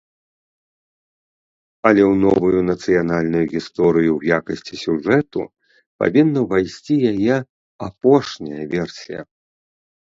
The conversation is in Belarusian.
Але ў новую нацыянальную гісторыю ў якасці сюжэту павінна ўвайсці яе апошняя версія.